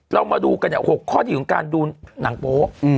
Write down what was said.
เรามาดูกันเนี่ย๖ข้อดีของการดูหนังโป๊